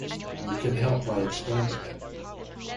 You can help by expanding it.